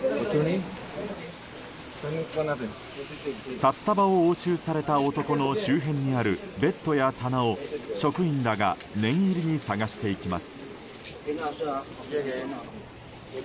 札束を押収された男の周辺にあるベッドや棚を職員らが念入りに探していきます。